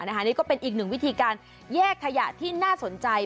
นี่ก็เป็นอีกหนึ่งวิธีการแยกขยะที่น่าสนใจ